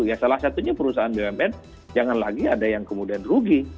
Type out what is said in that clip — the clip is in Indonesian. ya salah satunya perusahaan bumn jangan lagi ada yang kemudian rugi